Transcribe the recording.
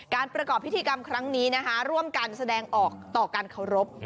ประกอบพิธีกรรมครั้งนี้นะคะร่วมกันแสดงออกต่อการเคารพ